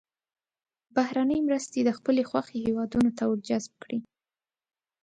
بهرنۍ مرستې د خپلې خوښې هېوادونو ته ور جذب کړي.